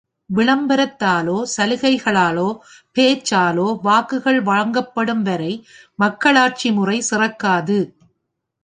விளம்பரத்தாலோ, சலுகைகளாலோ பேச்சாலோ வாக்குகள் வாங்கப்படும் வரை மக்களாட்சி முறை சிறக்காது.